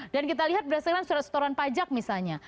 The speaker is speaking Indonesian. dan kita lihat berdasarkan setoran pajak misalnya